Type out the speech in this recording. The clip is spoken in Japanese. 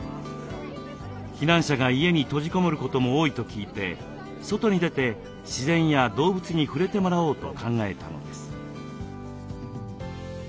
避難者が家に閉じ籠もることも多いと聞いて外に出て自然や動物に触れてもらおうと考えたのです。